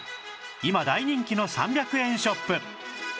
今大人気の３００円ショップ